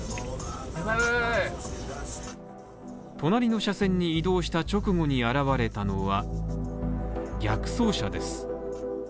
隣の車線に移動した直後に現れたのは、逆走車です。